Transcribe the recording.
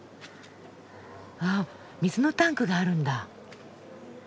あっ水のタンクがあるんだ。